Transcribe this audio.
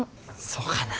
そうかな。